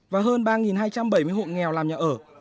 và hơn ba hai trăm bảy mươi hộ nghèo làm nhà ở